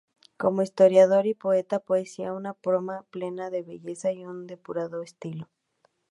Como historiador y poeta, poseía una prosa plena de belleza y un depurado estilo.